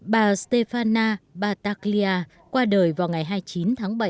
bà stefana bataglia qua đời vào ngày hai mươi chín tháng bảy